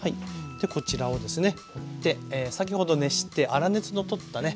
こちらをですね持って先ほど熱して粗熱の取ったね